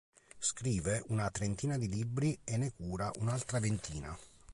Scrive una trentina di libri e ne cura un'altra ventina.